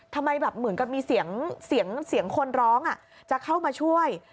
ทำไมแบบเหมือนกับมีเสียงคนร้องจะเข้ามาช่วย